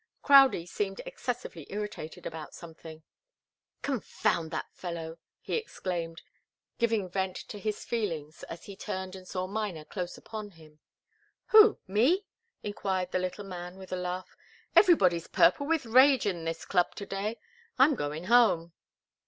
Crowdie seemed excessively irritated about something. "Confound that fellow!" he exclaimed, giving vent to his feelings as he turned and saw Miner close upon him. "Who? Me?" enquired the little man, with a laugh. "Everybody's purple with rage in this club to day I'm going home."